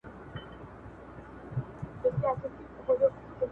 سور ژمی وو